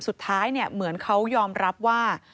สุดท้ายเหมือนเขายอมรับว่า